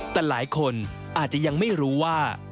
แต่หลายคนอาจจะยังไม่รู้ว่า